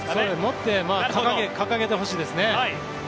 持って掲げてほしいですね。